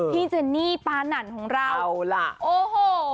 พี่เจนี่ปานั่นหรับเอาล่ะโอ้โห